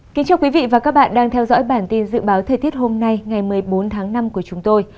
chào mừng quý vị đến với bản tin dự báo thời tiết hôm nay ngày một mươi bốn tháng năm của chúng tôi